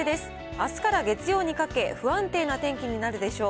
あすから月曜にかけ、不安定な天気になるでしょう。